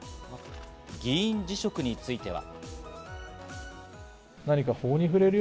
議員辞職については。